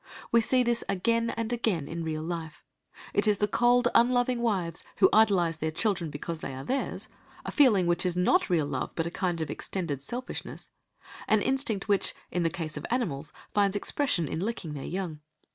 We see this again and again in real life; it is the cold, unloving wives who idolise their children because they are theirs, a feeling which is not real love but a kind of extended selfishness, an instinct which, in the case of animals, finds expression in licking their young.